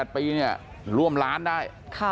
๘ปีเนี่ยร่วมล้านได้